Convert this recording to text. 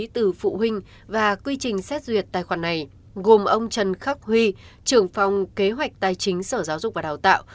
từ phụ huynh và quy trình xét duyệt tài khoản này gồm ông trần khắc huy trưởng phòng kế hoạch tài chính sở giáo dục và đào tạo